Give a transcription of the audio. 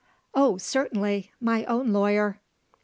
"Oh, certainly! My own lawyer."